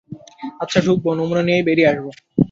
আচ্ছা, ঢুকবো, নমুনা নিয়েই বেরিয়ে আসবো।